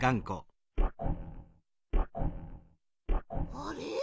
あれ？